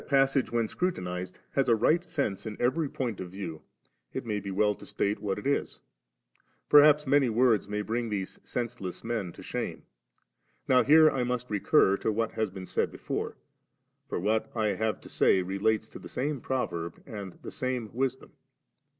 passage, when scrutinized, has a rij^t sense in every point of view, it may be well to state what it is; periiaps many words may bring these sensdess men to shame. Now here I must recur to what has been said before, for what I have to say relates to the same proverb and the same Wis dom.